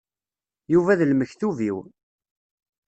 Yuba d lmektub-iw.